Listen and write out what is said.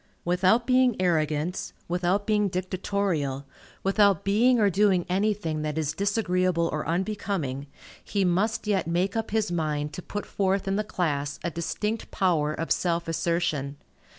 Without being arrogant, without being dictatorial, without being or doing anything that is disagreeable or unbecoming, he must yet make up his mind to put forth in the class a distinct power of self assertion.